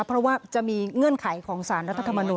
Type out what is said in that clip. เพราะว่าจะมีเงื่อนไขของสารรัฐธรรมนูล